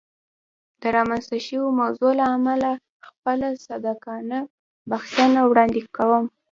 د رامنځته شوې موضوع له امله خپله صادقانه بښنه وړاندې کوم.